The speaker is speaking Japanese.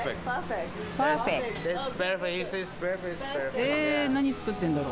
え何作ってんだろう。